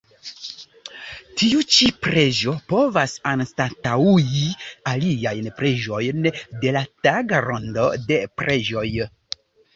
Tiu ĉi preĝo povas anstataŭi aliajn preĝojn de la taga rondo de preĝoj.